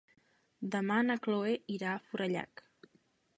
Demà na Cloè irà a Forallac.